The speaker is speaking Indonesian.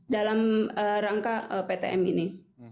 dalam rangka ptm ini